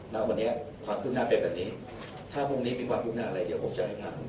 ณวันนี้ความคืบหน้าเป็นแบบนี้ถ้าพรุ่งนี้มีความคืบหน้าอะไรเดี๋ยวผมจะให้ทำ